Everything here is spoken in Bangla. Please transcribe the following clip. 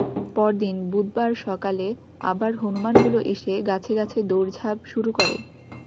পরদিন বুধবার সকালে আবার হনুমানগুলো এসে গাছে গাছে দৌড়ঝাঁপ শুরু করে।